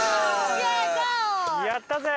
やったぜ！